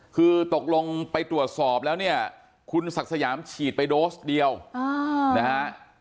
คือตกลงไปตรวจสอบแล้วเนี่ยคุณศักดิ์สยามฉีดไปโดสเดียวนะฮะ